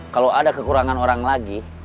kalau ada kekurangan orang lagi